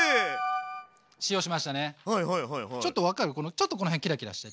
ちょっとこの辺キラキラして。